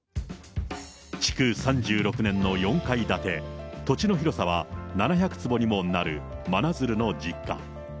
築３６年の４階建て、土地の広さは７００坪にもなる真鶴の実家。